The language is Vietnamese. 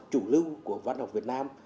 chủ lưu của văn học việt nam